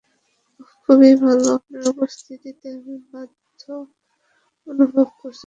ওহ খুবই ভালো, আপনার উপস্থিতিতে আমি ধন্য অনুভব করছি।